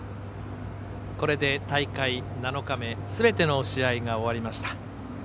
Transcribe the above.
これで大会７日目すべての試合が終わりました。